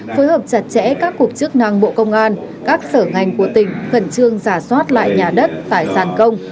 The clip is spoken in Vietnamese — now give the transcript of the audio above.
phối hợp chặt chẽ các cuộc chức năng bộ công an các sở ngành của tỉnh khẩn trương giả soát lại nhà đất tài sản công